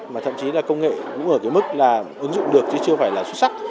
mà thậm chí là công nghệ cũng ở cái mức là ứng dụng được chứ chưa phải là xuất sắc